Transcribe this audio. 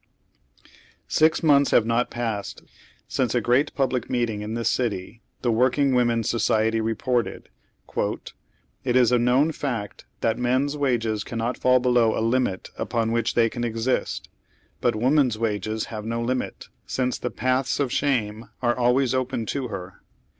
Six months have not passed since at a great public meet ing in this city, the Working Women's Society reported :" It is a known fact that men's wages cannot fall below a limit upon which they can exist, bnt woman's wages have no limit, since the paths of shame are always open to her.